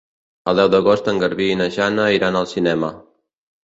El deu d'agost en Garbí i na Jana iran al cinema.